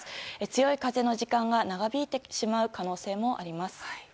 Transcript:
強い風の時間が長引いてしまう可能性もあります。